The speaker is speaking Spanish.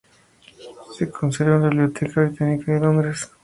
Se conserva en la Biblioteca Británica de Londres.